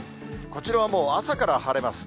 こちらはもう朝から晴れます。